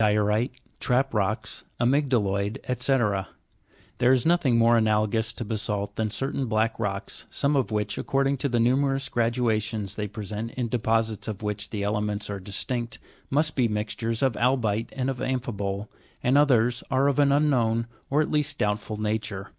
14. Di'orite, trap rocks, amyg'dalo'id, fyc. There is nothing more analogous to basa'lt than certain black rocks, some of which, according to the numerous gradations they present in deposits in which the elements are distinct, must be mixtures of albi'te and of amphibole, and others are of an unknown, or at least doubtful nature.